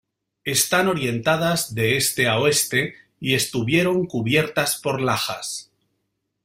Están orientadas de este a oeste y estuvieron cubiertas por lajas.